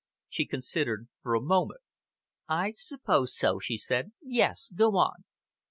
She considered for a moment. "I suppose so," she said. "Yes! Go on."